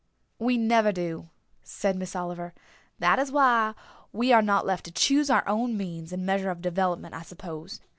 "We never do," said Miss Oliver. "That is why we are not left to choose our own means and measure of development, I suppose.